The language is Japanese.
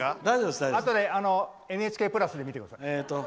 あとで「ＮＨＫプラス」で見てください。